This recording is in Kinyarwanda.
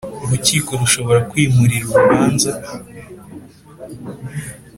urukiko rushobora kwimurira urubanza